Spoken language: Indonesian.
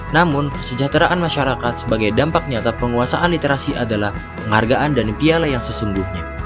namun kesejahteraan masyarakat sebagai dampak nyata penguasaan literasi adalah penghargaan dan piala yang sesungguhnya